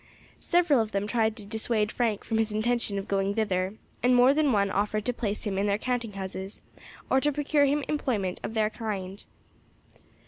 Several of them tried to dissuade Frank from his intention of going thither, and more than one offered to place him in their counting houses, or to procure him employment of other kind.